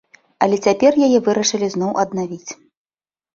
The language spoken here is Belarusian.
Але цяпер яе вырашылі зноў аднавіць.